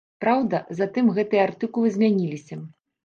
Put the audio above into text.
Праўда, затым гэтыя артыкулы змяніліся.